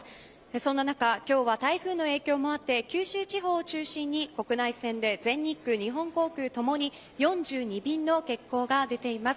そんな中、今日は台風の影響もあって九州地方を中心に国内線で全日空日本航空ともに４２便の欠航が出ています。